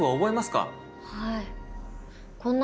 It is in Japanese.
はい。